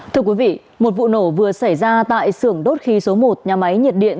thưa quý vị một vụ nổ vừa xảy ra tại sưởng đốt khí số một nhà máy nhiệt điện